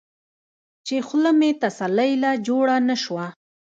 چې خله مې تسلۍ له جوړه نۀ شوه ـ